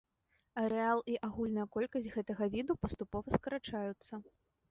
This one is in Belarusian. Арэал і агульная колькасць гэтага віду паступова скарачаюцца.